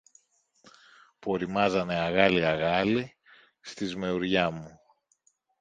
που ωριμάζανε αγάλι-αγάλι στη σμεουριά μου.